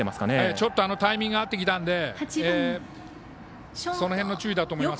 ちょっとタイミングが合ってきたのでその辺の注意だと思います。